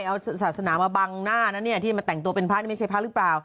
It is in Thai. เอาศาสนามาบังหน้านะเนี่ยที่มาแต่งตัวเป็นพระนี่ไม่ใช่พระหรือเปล่า